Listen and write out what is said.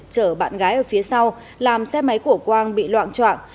chở bạn gái ở phía sau làm xe máy của quang bị loạn trọng